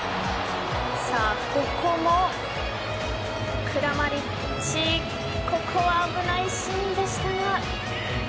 ここもクラマリッチここは危ないシーンでしたが。